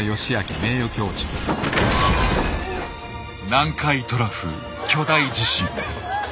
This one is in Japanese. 南海トラフ巨大地震。